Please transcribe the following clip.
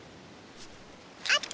あった！